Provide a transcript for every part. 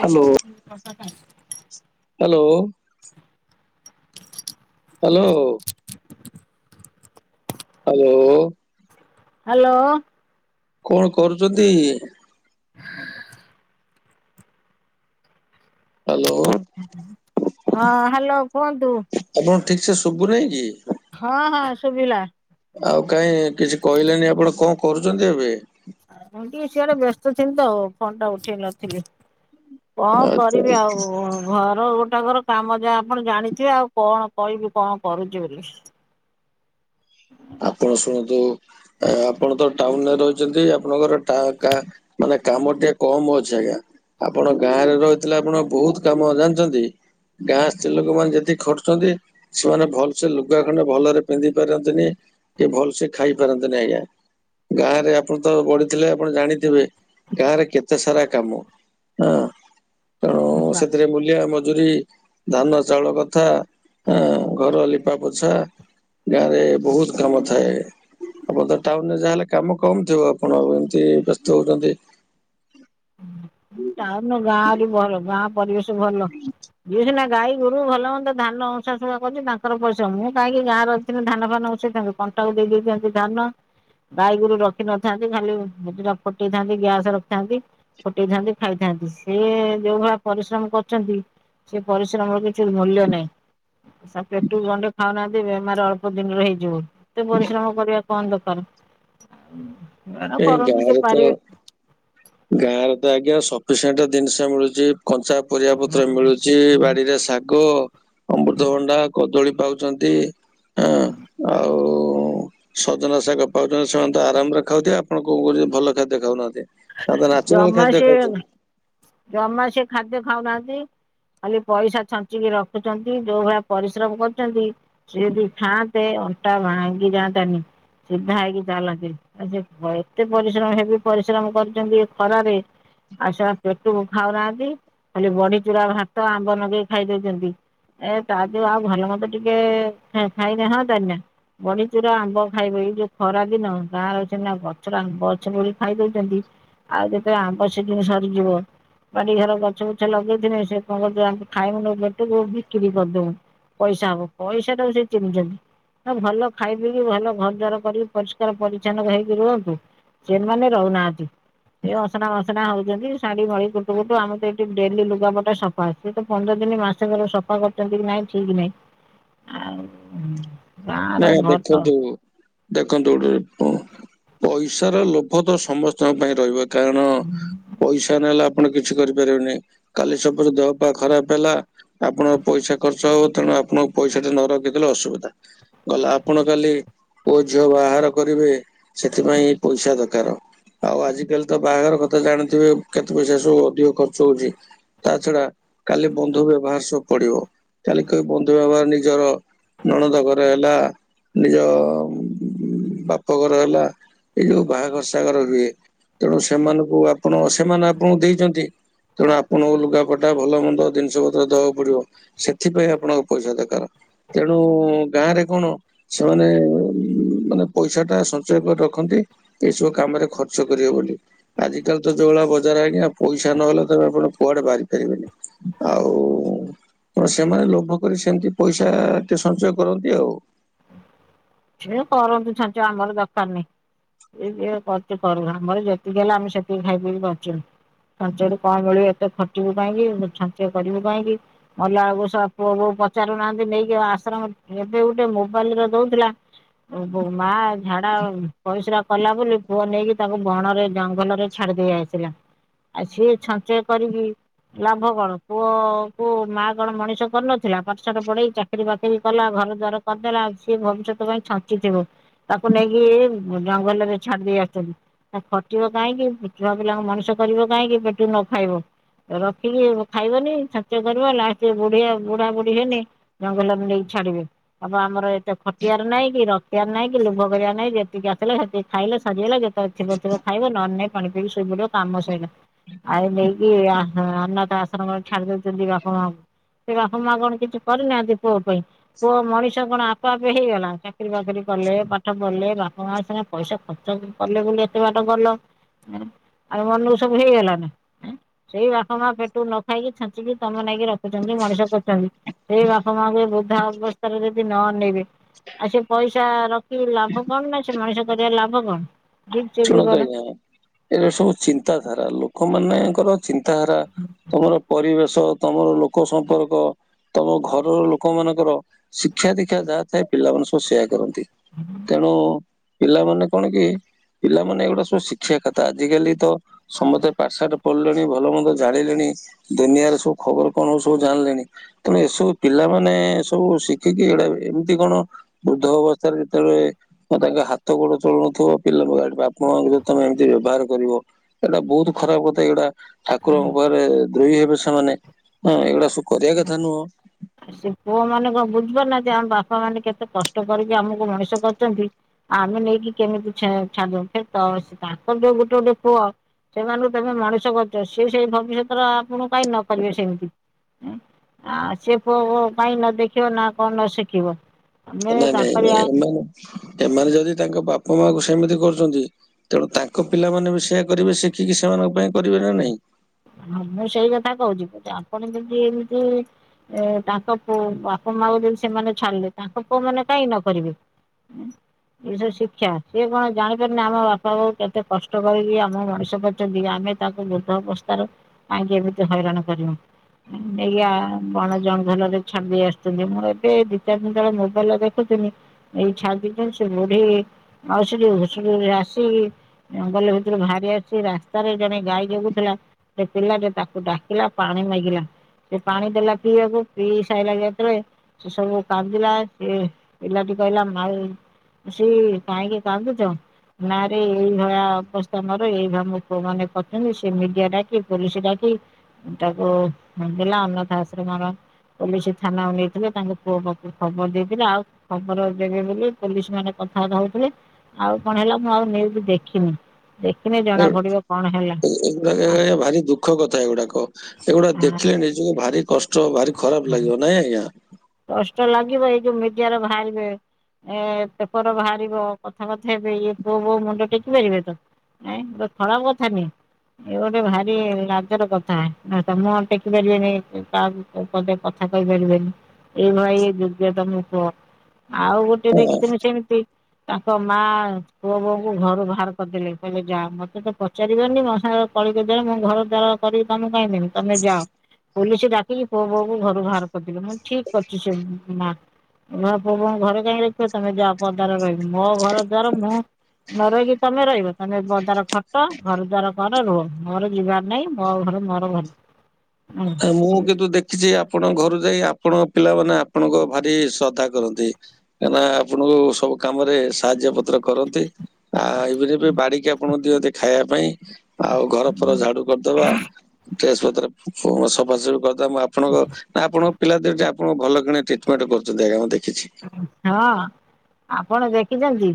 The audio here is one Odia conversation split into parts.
Hello hello. Hello hello. Hello. କଣ କରୁଛନ୍ତି। ହାଲୋ। ହଁ ହାଲୋ କୁହନ୍ତୁ। ଆପଣଙ୍କୁ ଠିକ ସେ ଶୁଭୁ ନେହିଁ କି। ହଁ ହଁ ଶୁଭିଲା। ଆଉ କାହିଁ କିଛି କହିଲେନି ଆପଣ କଁ କରୁଛନ୍ତି ଏବେ। ମୁଁ ଟିକେ ସିଆଡେ ବ୍ୟସ୍ତ ଥିଲି ତ ଆଉ ଫୋନ ଟା ଉଠେଇ ନଥିଲି। କଣ ଆଚ୍ଛା କରିବି ଆଉ ଘର ଗୋଟା କର କାମ ଯା ଆପଣ ଜାଣିଥିବେ ଆଉ କଣ କହିବି କଣ କରୁଛି ବୋଲି। ଆପଣ ଶୁଣନ୍ତୁ ଆପଣ ତ ଟାଉନରେ ରହିଛନ୍ତି ଆପଣଙ୍କର ଟା କା ମାନେ କାମ ଟିକେ କମ ଅଛି ଆଜ୍ଞା। ଆପଣ ଗାଁରେ ରହିଥିଲେ ଆପଣଙ୍କ ବହୁତ କାମ ଜାଣିଛନ୍ତି। ଗାଁ ସ୍ତ୍ରୀ ଲୋକମାନେ ଯେତିକି ଖଟୁଛନ୍ତି। ସେମାନେ ଭଲ ସେ ଲୁଗା ଖଣ୍ଡେ ଭଲରେ ପିନ୍ଧି ପାରନ୍ତିନି। କି ଭଲସେ ଖାଇ ପାରନ୍ତିନି ଆଜ୍ଞା। ଗାଁ ରେ ଆପଣ ତ ବଢିଥିଲେ ଆପଣ ଜାଣିଥିବେ ଗାଁ ରେ କେତେ ସାରା କାମ। ହଁ [inaudible] ତେଣୁ ସେଥିରେ ମୂଲିଆ ମଜୁୁରୀ। ଧାନ ଚାଉଳ କଥା ଆ ଘର ଲିପା ପୋଛା ଗାଁ ରେ ବହୁତ। କାମ ଥାଏ, ଆପଣ ତ ଟାଉନରେ ଯାହାହେଲେ କାମ କମ୍ ଥିବ ଆପଣ ଆଉ ଏମିତି ବ୍ୟସ୍ତ ହେଉଛନ୍ତି। ହୁଁ ହୁଁ ଟାଉନ ଗାଁ ଆହୁରି ଭଲ ଗାଁ ପରିବେଶ ଭଲ ଯିଏ ସିନା ଗାଈ। ଗୋରୁ ଭଲମନ୍ଦ ଧାନ ଉଁସା ସୁକା କରୁଛନ୍ତି ତାଙ୍କର ପରିଶ୍ରମ ମୁଁ କାହିଁକି ଗାଁରେ ରହିଥିଲେ ଧାନ ଫାନ ଉଁସେଇ ଥାଆନ୍ତି। କଣ୍ଟାକୁ ଦେଇ ଦେଇ ଥାନ୍ତି ଧାନ। ଗାଈ ଗୋରୁ ରଖିନଥାନ୍ତି ଖାଲି ଦିଟା ଫୁଟେଇ ଥାନ୍ତି ଗ୍ୟାସ ରଖିଥାନ୍ତି। ଫଟେଇଥାନ୍ତି ଖାଇଥାନ୍ତି, ସେ ଯୋଉ ଭଳିଆ ପରିଶ୍ରମ କରୁଛନ୍ତି। ସେ ପରିଶ୍ରମର କିଛି ମୂଲ୍ୟ ନାହିଁ, ସେ ପେଟକୁ ଗଣ୍ଡେ ଖାଉ ନାହାନ୍ତି। ସେ ବେମାର ଅଳ୍ପ ଦିନରେ ହେଇଯିବୁ, ଏତେ ପରିଶ୍ରମ କରିବା କଣ ଦକାରେ। ହେଗୁରା ଏଇ କରନ୍ତୁ ଯିଏ ଗାଁରେ ତ ପାରିବେ। ଗାଁରେ ତ ଆଜ୍ଞା ସଫିସେଣ୍ଟ ଜିନିଷ ମିଳୁଛି କଞ୍ଚା। ପରିବା ପତ୍ର ମିଳୁଛି ବାଡିରେ ଶାଗ, ଅମୃତଭଣ୍ଡା, କଦଳୀ ପାଉଛନ୍ତି। ଆଁ ଆଉ। ସଜନା ଶାଗ ପାଉଛନ୍ତି ସେମାନେ ତ ଆରାମରେ ଖାଉଥିବେ ଆପଣ କଁ କହୁଛନ୍ତି ଭଲ ଖାଦ୍ୟ ଖାଉନାହାନ୍ତି। ସେମାନେ ତ ନାଚୁରାଲ ଜମା ଖାଦ୍ୟ ସେ ଖାଉଛନ୍ତି। ଜମା ସିଏ ଖାଦ୍ୟ ଖାଉନାହାନ୍ତି। ଖାଲି ପଇସା ଛଞ୍ଚିକି ରଖୁଛନ୍ତି ଯୋଉ ଭଳିଆ ପରିଶ୍ରମ କରୁଛନ୍ତି। ସିଏ ଯଦି ଖାଆନ୍ତେ ଆଣ୍ଟା ଭଙ୍ଗି ଯାଆନ୍ତାନି। ସିଧା ହେଇକି ଚାଲନ୍ତି ଯେ ଏତେ ପରିଶ୍ରମ ହେବି ପରିଶ୍ରମ କରୁଛନ୍ତି। ଖରାରେ ଆଉ ସେ ପେଟକୁ ଖାଉନାହାନ୍ତି ଖାଲି ବଢି ଚୂୁରା ଭାତ ଆମ୍ବ ଲଗେଇକି ଖାଇଦଉଛନ୍ତି। ଏ ତାଦଉ ଆଉ ଭଲ ମତେ ଟିକେ ଖାଇଲେ ହଁ ତନି ନା। ବଡିଚୁରା ଆମ୍ବ ଖାଇବେ ଏଇ ଯୋଉ ଖରା ଦିନ ଗାଁରେ ଅଇଁଛା ଗଛରେ ଆମ୍ୱ ଅଛିବୋଲି ଖାଇଦଉଛନ୍ତି। ଆଉ ଯେତବେଳେ ଆମ୍ବ ସିଜିନି୍ ସରିଯିବ। ବାଡି ଘରେ ଗଛ ବୁଛ ଲଗେଇଥିଲେ ସେ କଣ ତୁ ଖାଇବୁନୁ ପେଟକୁ ବିକ୍ରି କରିଦବୁ। ପଇସା ହବ ପଇସା ଟାକୁ ସେ ଚିନ୍ନିଛନ୍ତି। ହ ଭଲ ଖାଇ ପିି କି ଭଲ ଘରଦ୍ଵାରା କରିକି ପରିଷ୍କାର ପରିଛନ୍ନ ହେଇକି ରୁହନ୍ତୁ। ସେମାନେ ରହୁନାହାନ୍ତି ସେ ଅସନା ମସନା ହଉଛନ୍ତି ଶାଢୀ ମଳି ଗୁଟୁ ଗୁଟୁ ଆମ ତ ଏଇଠି ଡେଲି ଲୁଗାପଟା ସଫା ସେ ତ ପନ୍ଦର ଦିନି ମାସେ କରେ ସଫା କରଛନ୍ତି କି ନାଇଁ ଠିକ ନାଇଁ। ଆଉ ଗାଁର ନା ଭଲ ଇଦେଖନ୍ତୁ ଦେଖନ୍ତୁ ଗୋଟେ ପଇସାର ଲୋଭ ତ ସମସ୍ତଙ୍କ ପାଖରେ ରହିବ କାରଣ [unintelligible] ପଇସା ନହେଲେ ଆପଣ କିଛି କରିପାରିବେନି କାଲି ସକାଳେ ଦେହ ଫେହ ଖରାପ ହେଲା ଆପଣଙ୍କ ପଇସା ଖର୍ଚ୍ଚ ହବ ତେଣୁ ଆପଣଙ୍କୁ ପଇସା ଟା ନ ରଖିଥିଲେ ଅସୁବିଧା। ଗଲା ଆପଣ କାଲି ପୁଅ ଝିଅ ବାହାଘର କରିବେ ସେଥିପାଇଁଁ ପଇସା ଦରକାର। ଆଉ ଆଜିକାଲି ତ ବାହାଘର କଥା ଜାଣିଥିବେ କେତେ ପଇସା ସବୁ ଅଧିକ ଖର୍ଚ୍ଚ ହଉଛି। ତା ଛଡା କାଲି ବନ୍ଧୁ ବ୍ୟବହାର ସବୁ ପଡିବ କାଲି କି ବନ୍ଧୁ ବ୍ୟବହାର ନିଜର ନଣଦ ଘର ହେଲା ନିଜ ବାପଘର ହେଲା ଏଇ ଯୋଉ ବାହାଘର ସହାଘର ହୁଏ। ତେଣୁ ସେମାନଙ୍କୁ ଆପଣ ସେମାନେ ଆପଣଙ୍କୁ ଦେଇଛନ୍ତି ତେଣୁ ଆପଣଙ୍କୁ ଲୁଗାପଟା ଭଲ ମନ୍ଦ ଜିନିଷ ପତ୍ର ଦେବାକୁ ପଡିବ। ସେଥିପାଇଁ ଆପଣଙ୍କ ପଇସା ଦରକାର, ତେଣୁ ଗାଁରେ କଣ ସେମାନେ ମାନେ ପଇସା ଟା ସଞ୍ଚୟ କରି ରଖନ୍ତି ଏଇସବୁ କାମରେ ଖର୍ଚ୍ଚ କରିବେ ବୋଲି। ଆଜିିକାଲି ତ ଯୋଉ ଭଳିଆ ବଜାର ଆଜ୍ଞାପଇସା ନହେଲେ ତମେ ଆପଣକୁଆଡେ ବାହାରିପାରିବନି। [inaudible] ତ ସେମାନେ ଲୋଭ କରି ସେମିତି ପଇସା ଟିକିଏ ସଞ୍ଚୟ କରନ୍ତି ଆଉ। ସେକରନ୍ତୁ ସଞ୍ଚୟ ଆମର ଦରକାର ନାହିଁ। ଏ ଯିଏକରୁ ଚିକରୁଆମର ଯେତିକି ହେଲା ଆମେ ସେତିକି ଖାଇ ପିଇ କି ବଞ୍ଚିବୁ। ସଞ୍ଚୟରୁକଣ ମିଳିବ ଏତେଖଟିବୁ କାଇଁକିସଞ୍ଚୟ କରିବୁ କାଇଁକି। ମଲା ବେଳକୁ ଶଳା ପୁଅ ବହୂ ପଚାରୁନାହାନ୍ତି ନେଇକି ଆଶ୍ରମ ଏବେ ଗୋଟେ ମୋବାଇଲ ରେଦଉଥିଲା। ଏ ବହୁ ମା ଝାଡା ଓ ପଇସ୍ରା କଲା ବୋଲି ପୁଅ ନେଇକି ତାକୁ ବଣ ରେ ଜଙ୍ଗଲ ରେ ଛାଡିଦେଇ ଆସିଲା। ଆ ସିଏ ଛଞ୍ଚୟ କରିକି ଲାଭ କଣ ପୁଅ କୁ ମା କଣ ମଣିଷ କରନଥିଲା ପାଠ ସାଠ ପଢେଇ ଚା ଚାକିରି ବାକିରି କଲା ଘର ଦ୍ୱାର କରିଦେଲା ସିଏ ଭବିଷ୍ୟତ ପାଇଁ ଛଞ୍ଚିଥିବ। ତାକୁ ନେଇକି ଜଙ୍ଗଲରେ ଛାଡି ଦେଇ ଆସିଚନ୍ତି। ଖଟିବ କାହିଁକି ଛୁଆ ପିଲାଙ୍କୁ ମଣିଷ କରିବ କାହିଁକି ପେଟକୁ ନ ଖାଇବ। ରଖିକି ଖାଇବନି ସଞ୍ଚୟ କରିବ ଲାଷ୍ଟ ରେ ବୁଢୀବୁଢା ବୁଢୀ ହେନେ ଜଙ୍ଗଲରେ ନେଇକି ଛାଡିବେ ଅବା ଆମର ଏତେ ଖଟିଆର ନାଇଁ କି ରଖିବାର ନାଇଁ କି ଲୋଭ କରିବା ନାଇଁ ଯେତିକି ଆସିଲେ ହେତିକି ଖାଇଲେ ସରିଗଲା ଯେତେବେଳେ ଥିବ ଥିବ ଖାଇବ ନହେଲେ ନାହିଁ କି ପାଣି ପିଇକି ଶୋଇ ପଡିବ କାମ ସଇଲା ଆଇ ନେଇକି ଆ ହଁ ଅନାଥ ଆଶ୍ରମରେ ଛାଡି ଦଉଛନ୍ତି ବାପା ମା ଙ୍କୁ। ସେ ବାପା ମା କଣ କିଛି କରିନାହାନ୍ତି ପୁଅ ପାଇଁ ପୁଅ ମଣିଷ କଣ ଆପେ ଆପେ ହେଇଗଲା ହଁ ଚାକିରି ବାକିରି କଲେ ପାଠ ପଢିଲେ ବାପା ମା ସିନା ପଇସା ଖର୍ଚ୍ଚ କ କଲେ ବୋଲି ଏତେ ବାଟ ଗଲ। [unintelligible] ଆଉ ମନକୁ ସବୁ ହେଇଗଲ ନା ଏଁ ସେଇ ବାପା ମା ପେଟକୁ ନ ଖାଇକି ଛଞ୍ଚିକି ତମ ନାଗି ରଖୁଛନ୍ତି ମଣିଷ କରୁଚନ୍ତି। ଏଇ ବାପା ମାଙ୍କୁ ବୃଦ୍ଧା ଅବସ୍ଥାରେ ଯଦି ନ ଅନେଇବେ। ଆସି କି ପଇସା ରଖି ଲାଭ କଣ ନା ସେ ମଣିଷ କରିବା ଲାଭ କଣ। ଜୀବ ସେ ଶୁଣନ୍ତୁ ଜୀବନ ଆଜ୍ଞା ଏବେ ସବୁ ଚିନ୍ତାଧାରା ଲୋକ ମାନେ ଙ୍କର ଚିନ୍ତାଧାରା ତମର ପରିବେଶ ତମର ଲୋକ ସମ୍ପର୍କ ତମ ଘରର ଲୋକମାନାନଙ୍କର ଶିକ୍ଷା ଦୀକ୍ଷା ଯାହା ଥାଏ ପିଲା ମାନେ ସବୁ ସେଆ କରନ୍ତି ତେଣୁ ପିଲାମାନେ କଣ କି ପିଲାମାନେ ଏଗୁଡା ସବୁ ଶିଖିବା କଥା ଆଜିକାଲି ତ ସମତେ ପାଠଶାଠ ପଡିଲେଣି ଭଲ ମନ୍ଦ ଜାଣିଲେଣି। ଦୁନିଆରେ ସବୁ ଖବର କଣ ସବୁ ଜାଣିଲେଣି। ତମେ ଏସବୁ ପିଲାମାନେ ସବୁ ଶିଖିକି ଏଡେ ଏମିତି କଣ? ବୃଦ୍ଧ ଅବସ୍ଥାରେ ଯେତେବେଳେ ତାଙ୍କ ହାତ ଗୋଡ ଚଳୁନଥିବ ପିଲାଙ୍କ ଗାଳି ବାପ ମା ଙ୍କୁ ଯଦି ତମେ ଏମିତି ବ୍ୟବହାର କରିବ ଏଇଟା ବହୁତ ଖରାପ କଥା ଏଗୁଡ଼ା ଠାକୁରଙ୍କ ପାଖରେ ଦ୍ରୋହୀ ହେବେ ସେମାନେ, ହଁ ଏଗୁଡା ସବୁ କରିବା କଥା ନୁହଁ। ସେ ପୁଅ ମାନେ କଣ ବୁଝିପାରୁନାହାନ୍ତି ଆମ ବାପା ମାନେ କେତେ କଷ୍ଟ କରିକି ଆମକୁ ମଣିଷ କରଛନ୍ତି। ଆମେ ନେଇକି କେମିତି ଛା ଛାଡିଦେବୁ ତ ତ ତାଙ୍କର ତ ଗୋଟେ ଗୋଟେ ପୁଅ ସେମାନଙ୍କୁ ତେମେ ମଣିଷ କରିଚ ସି ସେଇ ଭବିଷ୍ୟତରେ ଆପଣଙ୍କୁ କାଇଁ ନ କରିବେ ସେମିତି ଆ ସେ ପୁଅ ବହୁ ପାଇଁ ନ ଦେଖିବ ନା କଣ ନ ଶିଖିବ। ଆମେ ନାଇଁ ତାଙ୍କରି ନାଇଁ ଆ ଏମାନେ ଏମାନେ ଯଦି ତାଙ୍କ ବାପା ମା ଙ୍କୁ ସେମିତି କରୁଚନ୍ତି ତେଣୁ ତାଙ୍କ ପିଲାମାନେ ବି ସେୟ। ଆ କରିବେ ଶିଖିକି ସେମାନଙ୍କ ପାଇଁ। କରିବେ ନା ନାଇଁ? ହ ମୁଁ ସେଇ କଥା କହୁଚି ଆପଣ ଯଦି ଏମିତି ଏ ତାଙ୍କ ପୁଅ ବାପା ମାଙ୍କୁ ଯଦି ସେମାନେ ଛାଡିଲେ ତାଙ୍କ ପୁଅ ମାନେ କାଇଁ ନ କରିବେ [unintelligible] ଏ ସବୁ ଶିକ୍ଷା ସିଏ କଣ ଜାଣିପାରନି ଆମ ବାପା ବୋଉ କେତେ କଷ୍ଟ କରିକି ଆମକୁ ମଣିଷ କରଛନ୍ତି ଆମେ ତାକୁ ବୃଦ୍ଧ ଅବସ୍ଥାରୁ କାହିକିଁ ଏମିତି ହଇରାଣ କରିବୁ [unintelligible] ୟା ବଣ ଜଙ୍ଗଲରେ ଛାଡି ଦେଇ ଆସୁଛନ୍ତି ମୁଁ ଏବେ ଦି ଚାରି ଦିନ ତଳେ ମୋବାଇଲର ଦେଖୁିଥିଲି ଏଇ ଛା [unintelligible] ସେ ବୁଢୀ ମାଉସୀ [unintelligible] ଆସିକି ଜଙ୍ଗଲ ଭିତରୁ ବାହାରି ଆସି ରାସ୍ତାରେ ଜଣେ ଗାଈ ଜଗୁଥିଲା ସେ ପିଲା ଯେ ତାକୁ ଡାକିଲା ପାଣି ମାଗିଲା ସେ ପାଣି ଦେଲା ପିଇବାକୁ ପିଇ ସାଇଲା ଯେତେବେଳେ ସେ ସବୁ କାନ୍ଦିଲା ସେ ପିଲାଟି କହିଲା ମାଉ ସୀ କାହିଁକି କାନ୍ଦୁଛ? ନାଁ ରେ ଏଇଭଳିଆ ଅବସ୍ଥା ମୋର ଏଇଭ [unintelligible] ମୋ ପୁଅ ମାନେ କରିଛନ୍ତି ସେ ମିଡିଆ ଡା ପୋଲିସୀ ଡାକି ତାକୁ [unintelligible] ଅନାଥ ଆଶ୍ରମ ର ପୋଲିସ୍ ଥାନାକୁ ନେଇଥିଲେ ତାଙ୍କ ପୁଅ [unintelligible] ଖବର ଦେଇଥିଲେ ଆଉ ଖବର ଦେବେ ବୋଲି ପୋଲିସ୍ ମାନେ କଥାବାର୍ତ୍ତା ହଉଥିଲେ ଆଉ କଣ ହେଲା ମୁଁ ଆଉ ନିଉଜୁ ଦେଖିନି, ଦେଖିନି ଜଣା ଏଗୁ- ପଡିବ କଣ ହେଲା ଏ- ଏଗୁଡାକ ଆଜ୍ଞା ଭାରି ଦୁଃଖ କଥା ଏଗୁଡାକ। ଏଗୁଡା ଦେଖିଲେ ନିଜକୁ ଭାରି କଷ୍ଟ ଭାରି ଖରାପ ଲାଗିବ ନାଇଁ ଆଜ୍ଞା କଷ୍ଟ ଲାଗିବ ଏଇ ଯୋଉ ମିଡିଆର ବାହାରିବେ ଏ ପେପର ବାହାରିବ କଥା କଥା ହେବେ ଇଏ ପୁଅ ବୋହୂ ମୁଣ୍ଡ ଟେକି ପାରିବେ ତ? ନାହିଁ ଖରାପ କଥା ନୁହେଁ ଏ ଗୋଟେ ଭାରି ଲାଜର କଥା ମୁଁ ଟେକି ପାରିବିନି କାହାକୁ ସମସ୍ତେ କହିପାରିବେନି। ଏଇ ଭାଇ ଏ ଯୋଗ୍ୟ ତମକୁ କୁହ ଆଉ ଗୋଟେ ହଁ, ଦେଖିଥମେ ସେମିତି। ତାଙ୍କ ମା ପୁଅ ବୋହୁ ଘରୁ ବାହାର କରିଦେଲେ କହିଲେ ଯା ମତେ ତ ପଚାରିବନି ମ ସାଙ୍ଗ କଳି କଜିଆ ମୋ ଘର ଦ୍ଵାର କରିବି ତମେ କାହିଁକିଁ ଦେବି ତମେ ଯାଅ ପୋଲିସି ଡାକିକି ପୁଅ ବୋହୁ କୁ ଘରୁ ବାହାର କରିଦେବି ଠିକ ପଚି ସବୁ ନା ମୋ ପୁଅ ବୋହୁ ଘରେ କାହିଁ ରଖିବ ତମେ ଯାଅ ପଦାରେ ରହିବ ମୋ ଘର ଦ୍ୟାର ମୁଁ ନ ରହିକି ତମେ ରହିବ ତମେ ଘର ଦ୍ବାର ଖଟ ଘର ଦ୍ଵାର କର ରୁହ ମୋର ଯିବାର ନାହିଁ। ମୋ ଘର ମୋର ଘର। ଆ, ମୁଁ ହଁ କିନ୍ତୁ ଦେଖିଛି ଆପଣଙ୍କ ଘରୁ ଯାଇ ଆପଣଙ୍କ ପିଲାମାନେ ଆପଣଙ୍କ ଭାରି ଶ୍ରଦ୍ଧା କରନ୍ତି। କାହିଁ ନା ଆପଣଙ୍କୁ ସବୁ କାମ ରେ ସାହାଯ୍ୟ ପତ୍ର କରନ୍ତି। ଆ ଏବେ ବି ବାଡିକି ଆପଣ ଦିଅନ୍ତି ଖାଇବା ପାଇଁ ଆଉ ଘର ଫର ଝାଡୁ କରିଦବା ଡ୍ରେସ୍ ପତ୍ର ସଫାସଫି କରିଦବା ମୁଁ ଆପଣଙ୍କ ନା ଆପଣଙ୍କ ପିଲା ଦେ ଆପଣଙ୍କୁ ଭଲକିନୀ ଟ୍ରିଟମେଣ୍ଟ କରୁଛନ୍ତି ଆଜ୍ଞାଁ ଦେଖିଛି। ହଁ ଆପଣ ଦେଖିଛନ୍ତି?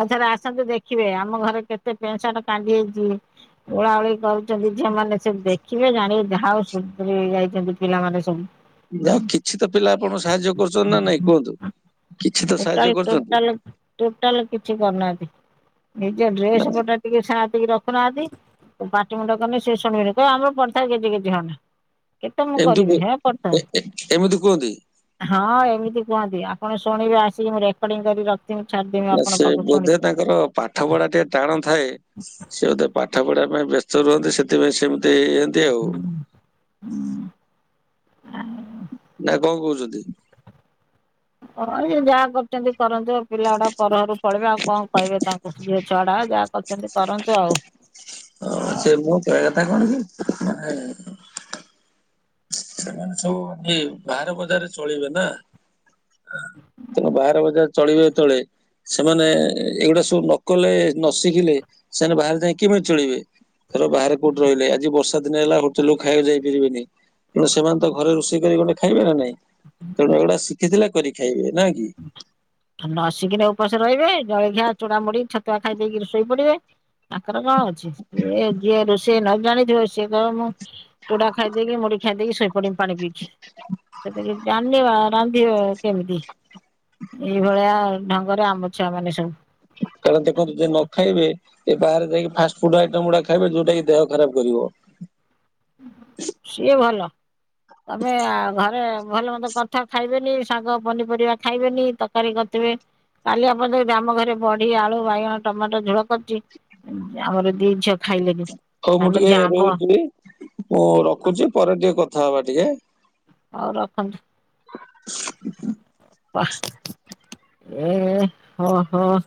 ଆଉ ଥରେ ଆସନ୍ତୁ ଦେଖିବେ ଆମ ଘରେ କେତେ ପେଣ୍ଟ ସାର୍ଟ କଣ୍ଡି ହେଇଛି ଓଳାଓଳି କର ଝିଅମାନେ ସେ ଦେଖିବେ ଜାଣିବେ ଯାହାଉ ସୁଧୁରି ଯାଇଛନ୍ତି ପିଲାମାନେ ସବୁ। ଯାହା କିଛି ତ ପିଲା ଆପଣ ସାହାଯ୍ୟ କରୁଛନ୍ତି ନା ନାଇଁ କୁହନ୍ତୁ? କିଛି ତ ସାହାଯ୍ୟ ଟୋଟାଲ କରୁଛନ୍ତି ଟୋଟାଲ ଟୋଟାଲ କିଛି କରିନାହାନ୍ତି ନିଜ ନା ଡ୍ରେସ ପଟା ଟିକେ ସାତି ରଖ ଦେଖୁନାହାନ୍ତି ପାଟି ମୁଣ୍ଡ କନି ସେଏ ଶୁଣିବିନି କହ ଆମର ପଡିଥାଉ ଗିଜି ଗିଜୀ ହନି। କେତେ ମୁଁ ଏମିତି କରିବି କୁ- ହେ ପଡ଼ିଥା। ଏ- ଏ- ଏମିତି କୁହନ୍ତି ହଁ ଏମିତି କୁହନ୍ତି ଆପଣ ଶୁଣିବେ ଆସିକି ମୁଁ ରେକର୍ଡିଂ କରି ର ଯିମି ଛାଢିଦେବି ନା ଆପଣଙ୍କ ସେ ପାଖକୁ ବୋଧେ ଶୁଣି। ତାଙ୍କର ପାଠ ପଢା ଟିକେ ଟାଣ ଥାଏ ସେଇଥା ପାଠ ପଢ଼ା ପାଇଁ ବ୍ୟସ୍ତ ରୁହନ୍ତି ସେଥିପାଇଁ ସେମିତି ତି ଆଉ ନା କଣ କହୁଛନ୍ତି? ହଁ ଯାହା କରଛନ୍ତି କରନ୍ତୁ ଆଉ ପିଲା ଗୁଡା ପରଘର ପଳେଇିବ ଆଉ କଣ କହିବେ ତାଙ୍କୁ। ଯିଏ ଛଡା ଯାହା କରୁଛନ୍ତି କରନ୍ତୁ ଆଉ। ହ ସେ ଆଉ ମୁଁ କହିବା କଥା କଣ କି? ସେମାନେ ସବୁ ବାହାରେ ବଜାରେରେ ଚଳିବେ ନା। ତୁମ ବାହାର ବଜାର ଚଳିବେ ଯେତେଳେ ସେମାନେ ଏଗୁଡା ସବୁ ନକଲେ ନ ଶିଖିଲେ ସେମାନେ ବାହାରେ ଯାଇ କେମିତି ଚଳିବେ? ଧର ବାହାରେ କୋଉଠି ରହିଲେ ଆଜି ବର୍ଷା ଦିନ ହେଲା ହୋଟେଲ କୁ ଖାଇବାକୁ ଯାଇପାରିବେନି ତେଣୁ ସେମାନେ ତ ଘରେ ରୋଷେଇ କରି ଗଣ୍ଡେ ଖାଇବେ ନା ନାଇଁ ତେଣୁ ଏଗୁଡା ଶିଖିଥିଲା କରି ଖାଇବେ ନା କି? ନ ସିଖିନେ ଉପାସ ରହିବେ ଜଳଖିଆ ଚୁଡ଼ା ମୁଢି ଛତୁଆ ଖାଇ ଦେଇକିରି ଶୋଇ ପଡିବେ। ତାଙ୍କର କଣ ଅଛି ଏ ଯିଏ ରୋଷେଇ ନ ଜାଣିଥିବ ସିଏ କଇବ ମୁଁ ଚୁଡା ଖାଇ ଦେଇେକି ମୁଢି ଖାଇଦେଇକି ଶୋଇପଡିିବି ପାଣି ପିଇକି। ସେତ କିଛି ଜାଣିନି ରାନ୍ଧିବ କେମିତି? ଏଇଭଳିଆ ଢଙ୍ଗରେ ଆମ ଛୁଆ ମାନେ ସବୁ। କାରଣ ଦେଖନ୍ତୁ ଯଦି ନ ଖାଇବେ ଏ ବାହାରେ ଯାଇକି ଫାଷ୍ଟଫୁଡ୍ ଆଇଟମ ଗୁଡା ଖାଇବେ ଯୋଉଟା କିି ଦେହ ଖରାପ କରିବ। ସିଏ ଭଲ ତମେ ଘରେ ଭଲ ମନ୍ଦ କ [unintelligible] ଖାଇବେନି ଶାଗ ପନିପରିବା ଖାଇବେନି ତରକାରୀ କରିଥିବେ କାଲି ଆପଣ ଆାମ ଘରେ ବଢି ଆଳୁ ବାଇଗଣ ଟମାଟୋ ଝୋଳ କରିଛି ଆମର ଦି ଖାଇଲେନି ହଉ ମୁଁ ସାନ ଟିକେ ଝିଅ ଆମ୍ବ ରହୁଚି। ମୁଁ ରଖୁଛି ପରେ ଟିକେ କଥା ହବା ଟିକେ। ହଉ ରଖନ୍ତୁ। [unintelligible]